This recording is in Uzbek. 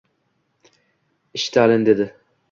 «Ishtalin» dedi!